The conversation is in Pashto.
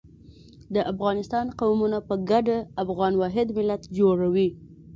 د افغانستان قومونه په ګډه افغان واحد ملت جوړوي.